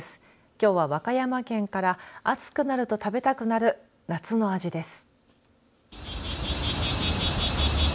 きょうは和歌山県から暑くなると食べたくなる夏の味です。